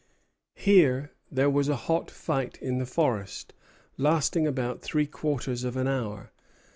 Here there was a hot fight in the forest, lasting about three quarters of an hour.